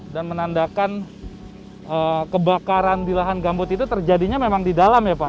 dan menandakan kebakaran di lahan gambut itu terjadinya memang di dalam ya pak